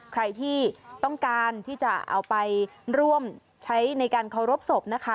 ใครที่ต้องการที่จะเอาไปร่วมใช้ในการเคารพศพนะคะ